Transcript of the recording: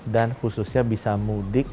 dan khususnya bisa mudik